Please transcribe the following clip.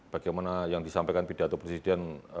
bagaimana yang disampaikan pidato presiden